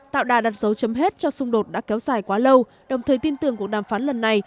tạo đà đặt dấu chấm hết cho xung đột đã kéo dài quá lâu đồng thời tin tưởng cuộc đàm phán lần này